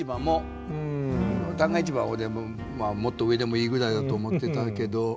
旦過市場は俺はもっと上でもいいぐらいだと思ってたけど。